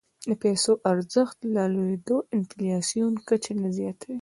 د پیسو ارزښت رالوېدل د انفلاسیون کچه نه زیاتوي.